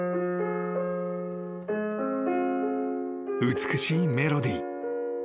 ［美しいメロディー］